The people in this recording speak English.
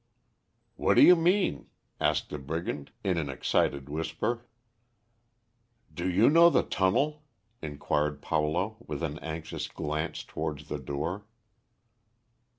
"What do you mean?" asked the brigand, in an excited whisper. "Do you know the tunnel?" inquired Paulo, with an anxious glance towards the door.